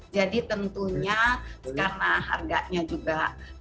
jadi tentunya karena harganya juga naik